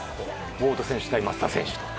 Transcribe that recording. フォード選手対松田選手と。